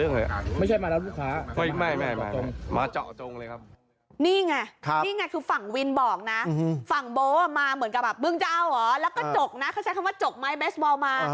แล้วก็จกนะเขาใช้คำว่าจกไหมเบสบอลมา